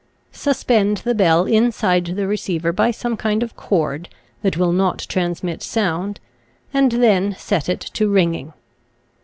Suspend the bell inside the receiver, by some kind of cord that will not transmit sound, and then set it to ringing.